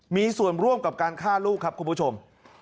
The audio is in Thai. มีส่วนร่วมกับการฆ่าลูกครับคุณผู้ชม